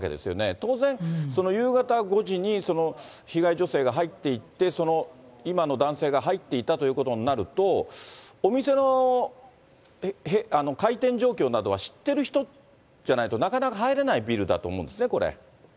当然、夕方５時に、被害女性が入っていって、その今の男性が入っていったということになると、お店の開店状況などは知ってる人じゃないと、なかなか入れないビルだと思うんですね、これ。